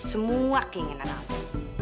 semua keinginan alda